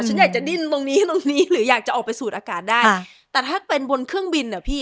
ฉันอยากจะดิ้นตรงนี้ตรงนี้หรืออยากจะออกไปสูดอากาศได้แต่ถ้าเป็นบนเครื่องบินอ่ะพี่